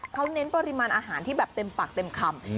เขาเน้นปริมาณอาหารที่แบบเต็มปากเต็มคำ